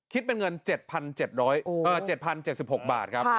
คิดเป็นเงิน๗๗๐๗๐๗๖บาทครับ